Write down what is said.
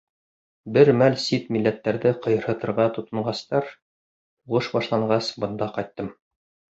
Бер мәл сит милләттәрҙе ҡыйырһытырға тотонғастар, һуғыш башланғас, бында ҡайттым.